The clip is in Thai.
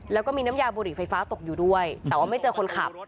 แล้วก็มีน้ำยาบุหรี่ไฟฟ้าตกอยู่ด้วยแต่ว่าไม่เจอคนขับ